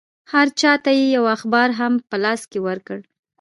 هر چا ته یې یو اخبار هم په لاس کې ورکړ.